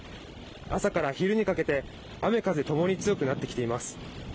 朝から昼にかけて雨風共に強くなってきています。